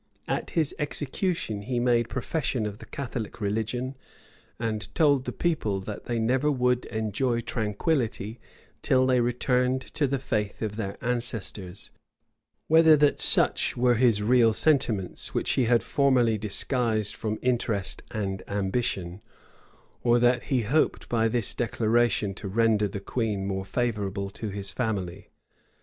At his execution, he made profession of the Catholic religion, and told the people that they never would enjoy tranquillity till they returned to the faith of their ancestors: whether that such were his real sentiments, which he had formerly disguised from interest and ambition, or that he hoped by this declaration to render the queen more favorable to his family.